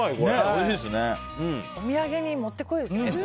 お土産にもってこいですよね。